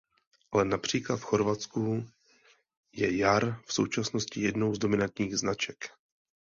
Ale například v Chorvatsku je Jar v současnosti jednou z dominantních značek.